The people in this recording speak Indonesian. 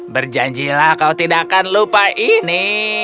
berjanjilah kau tidak akan lupa ini